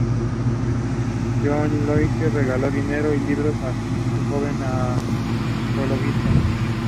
There would be two phases to the season.